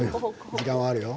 時間はあるよ。